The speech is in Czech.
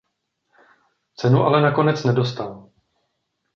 Cenu ale nakonec nedostal.